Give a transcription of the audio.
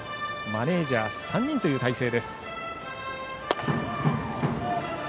マネージャーは３人という体制。